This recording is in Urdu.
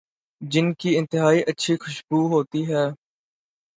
جن کی انتہائی اچھی خوشبو ہوتی ہے